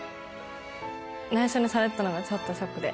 内緒にされてたのがちょっとショックで